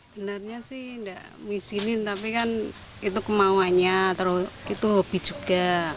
benarnya sih gak mau isinin tapi kan itu kemauannya itu hobi juga